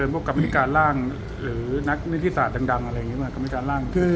กรรมธิการร่างหรือนักนิติศาสตร์ดังอะไรอย่างนี้มากรรมการร่าง